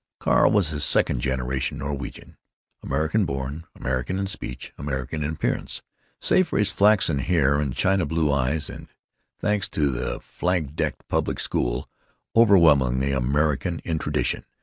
Carl was second generation Norwegian; American born, American in speech, American in appearance, save for his flaxen hair and china blue eyes; and, thanks to the flag decked public school, overwhelmingly American in tradition.